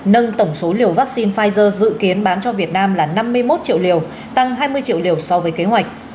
nâng tổng số liều vaccine pfizer dự kiến bán cho việt nam là năm mươi một triệu liều tăng hai mươi triệu liều so với kế hoạch